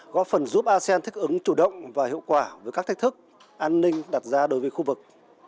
góp phần giúp asean thích ứng chủ động và hiệu quả với các thách thức an ninh đặt ra đối với khu vực